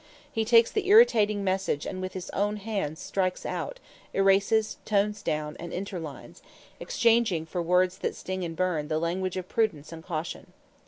He takes the irritating message and with his own hand strikes out, erases, tones down, and interlines, exchanging for words that sting and burn the language of prudence and caution.